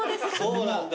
そうなんだ。